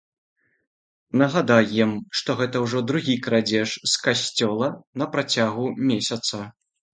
Нагадаем, што гэта ўжо другі крадзеж з касцёла на працягу месяца.